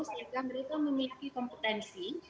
sehingga mereka memiliki kompetensi